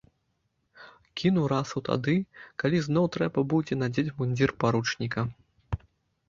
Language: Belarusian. Кіну расу тады, калі зноў трэба будзе надзець мундзір паручніка.